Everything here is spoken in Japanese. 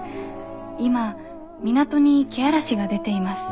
今港にけあらしが出ています。